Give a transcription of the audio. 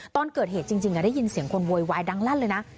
ตอนเกิดเหตุจริงได้ยินเสียงคนโวยวายดังลั่นเลยนะ